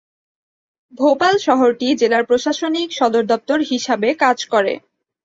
ভোপাল শহরটি জেলার প্রশাসনিক সদর দপ্তর হিসাবে কাজ করে।